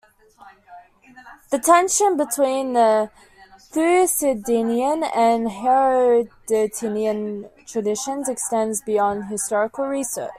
The tension between the Thucydidean and Herodotean traditions extends beyond historical research.